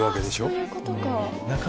そういうことか！